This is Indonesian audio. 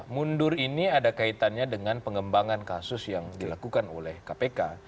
mundur ini ada kaitannya dengan pengembangan kasus yang dilakukan oleh kpk